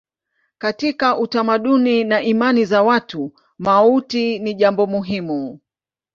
Katika utamaduni na imani za watu mauti ni jambo muhimu.